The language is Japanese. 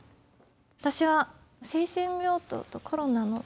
私は精神病棟とコロナの。